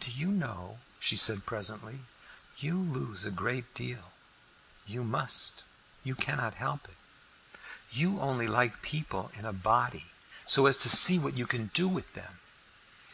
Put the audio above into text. "Do you know," she said presently, "you lose a great deal; you must, you cannot help it. You only like people in a body, so as to see what you can do with them.